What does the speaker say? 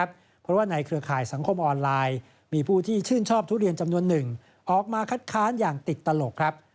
เพราะว่าในเครือข่ายสังคมออนไลน์มีผู้ที่ชื่นชอบทุเรียนจำนวนหนึ่งออกมาคัดค้านอย่างติดตลกครับ